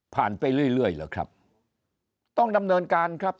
ไปเรื่อยเหรอครับต้องดำเนินการครับ